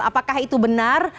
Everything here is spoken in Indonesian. apakah itu benar